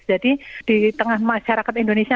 jadi di tengah masyarakat indonesia